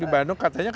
di bandung katanya